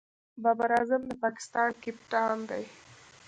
بابر اعظم د پاکستان کپتان دئ.